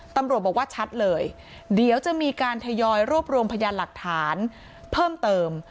ตำรวจบอกว่าชัดเลยเดี๋ยวจะมีการทยอยรวบรวมพยานหลักฐานเพิ่มเติม